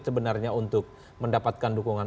sebenarnya untuk mendapatkan dukungan